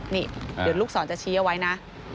นี่เดี๋ยวลูกสอนจะชี้ไว้นะ